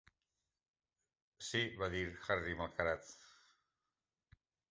"Sí", va dir Harry malcarat.